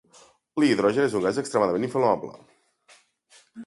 L'hidrogen és un gas extremadament inflamable.